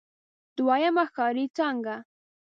دويمه ښاري څانګه.